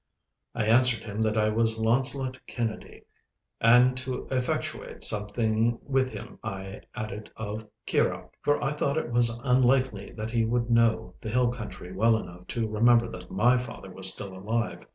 I answered him that I was Launcelot Kennedy—and to effectuate something with him I added 'of Kirrieoch.' For I thought it was unlikely that he would know the hill country well enough to remember that my father was still alive.